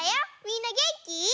みんなげんき？